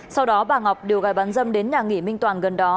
sau đó bà ngọc đều gai bán dâm đến nhà nghỉ minh toàn gần đó